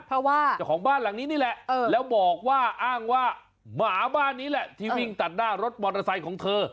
เพราะว่าเจ้าของบ้านหลังนี้นี่แหละแล้วบอกว่าอ้างว่าหมาบ้านนี้แหละที่วิ่งตัดหน้ารถมอเตอร์ไซค์ของเธอ